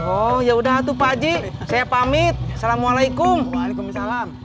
oh ya udah tuh pak haji saya pamit assalamualaikum waalaikumsalam